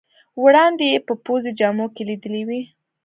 وړاندې یې په پوځي جامو کې لیدلی وې.